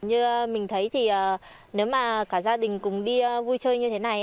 như mình thấy thì nếu mà cả gia đình cùng đi vui chơi như thế này